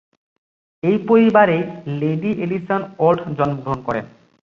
এই পরিবারেই Levi Edison Alt জন্মগ্রহণ করেন।